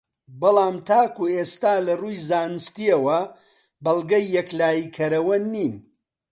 بەڵام تاکو ئێستا لەڕووی زانستییەوە بەڵگەی یەکلاییکەرەوە نین